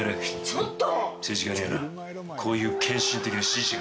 ちょっと！